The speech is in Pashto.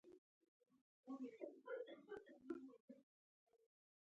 د زړه ناروغۍ د ژوند کولو طریقه پورې تړاو لري.